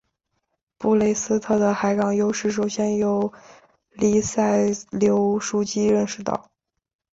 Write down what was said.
布雷斯特的海港优势首先由黎塞留枢机认识到。